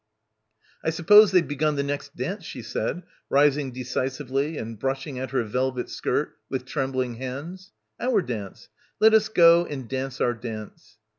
"I suppose they've begun the next dance," she said, rising decisively and brushing at her velvet skirt with trembling hands. "Our dance. Let us go and dance our dance."